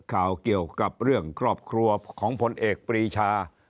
เกี่ยวกับเรื่องครอบครัวของพลเอกปรีชา